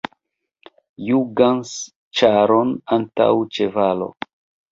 Jungas ĉaron antaŭ ĉevalo.